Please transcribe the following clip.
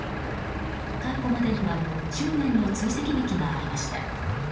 逮捕までには執念の追跡劇がありました。